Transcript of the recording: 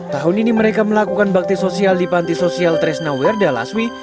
tahun ini mereka melakukan bakti sosial di panti sosial tresna werda laswi